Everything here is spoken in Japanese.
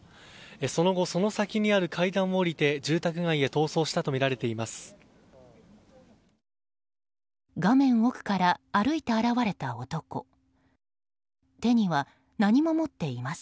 その後、その先にある階段を下りて住宅街へ逃走したとみられています。